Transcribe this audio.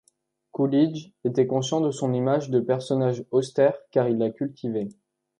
Coolidge était conscient de son image de personnage austère car il la cultivait.